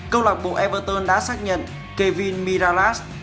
câu lạc bộ everton đã xác nhận kevin miralas